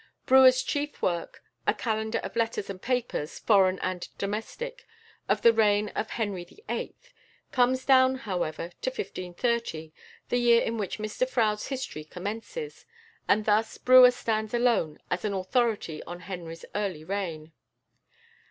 Brewer's chief work, a "Calendar of Letters and Papers, Foreign and Domestic, of the Reign of Henry VIII.," comes down, however, to 1530, the year in which Mr Froude's history commences, and thus Brewer stands alone as an authority on Henry's early reign.